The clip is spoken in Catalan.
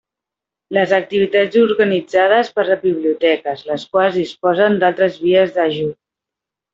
Les activitats organitzades per biblioteques, les quals disposen d'altres vies d'ajut.